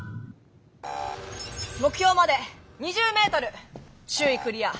目標まで２０メートル周囲クリア。